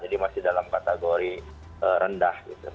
jadi masih dalam kategori rendah